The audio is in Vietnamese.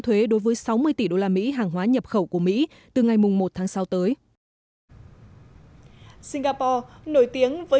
thuế đối với sáu mươi tỷ usd hàng hóa nhập khẩu của mỹ từ ngày một tháng sau tới singapore nổi tiếng với